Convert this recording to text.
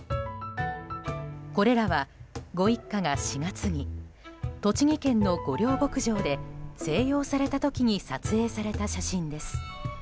これらは、ご一家が４月に栃木県の御料牧場で静養された時に撮影された写真です。